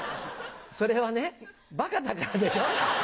それはねバカだからでしょ？